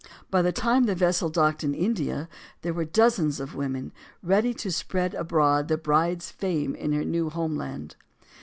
By the time the vessel docked in India, there were dozens of women ready to spread abroad the bride's fame in her new home land.